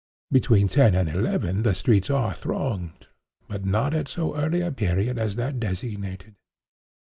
Between ten and eleven the streets are thronged, but not at so early a period as that designated.